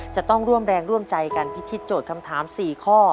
จะต้องร่วมแรงร่วมใจกันพิธิโจทย์คำถาม๔ข้อ